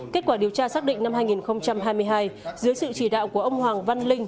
kết quả điều tra xác định năm hai nghìn hai mươi hai dưới sự chỉ đạo của ông hoàng văn linh